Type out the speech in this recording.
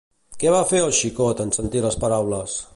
Què va fer el xicot en sentir les paraules?